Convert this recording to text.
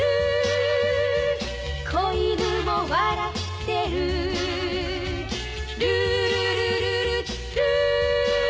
「小犬も笑ってる」「ルールルルルルー」